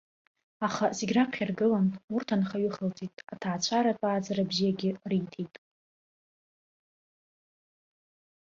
Аха, зегь раԥхьа иргылан, урҭ анхаҩы ихылҵит, аҭаацәаратә ааӡара бзиагьы риҭеит.